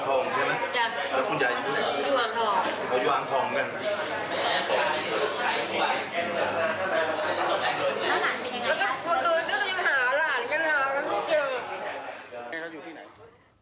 หาหลานก็เชิญ